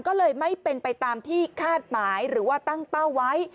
ก็เลยไม่เป็นไปตามที่คาดหมายหรือว่าตั้งเป้าไว้